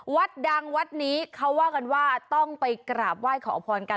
วัดดังวัดนี้เขาว่ากันว่าต้องไปกราบไหว้ขอพรกัน